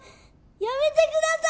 やめてください！